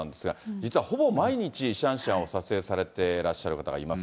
実はほぼ毎日、シャンシャンを撮影されてらっしゃる方がいます。